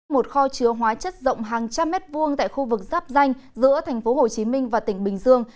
một kho chứa hóa chất rộng hàng trăm mét vuông tại khu vực giáp danh giữa thành phố hồ chí minh và tỉnh bình dương